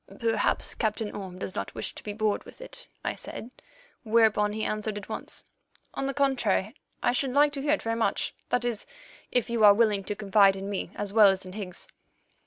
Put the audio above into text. "Perhaps Captain Orme does not wish to be bored with it," I said, whereon he answered at once: "On the contrary, I should like to hear it very much—that is, if you are willing to confide in me as well as in Higgs."